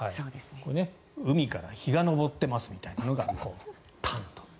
海から日が昇っていますみたいなのが元旦の「旦」。